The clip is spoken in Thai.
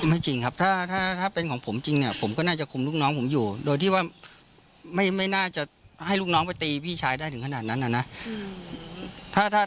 ไม่จริงครับถ้าเป็นของผมจริงเนี่ยผมก็น่าจะคุมลูกน้องผมอยู่โดยที่ว่าไม่น่าจะให้ลูกน้องไปตีพี่ชายได้ถึงขนาดนั้นน่ะนะ